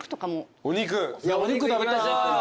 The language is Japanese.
お肉食べたい。